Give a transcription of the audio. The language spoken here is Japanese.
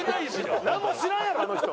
なんも知らんやろあの人。